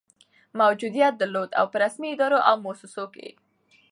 موجودیت درلود، او په رسمي ادارو او مؤسسو کي